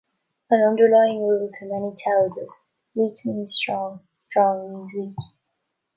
An underlying rule to many tells is: weak means strong, strong means weak.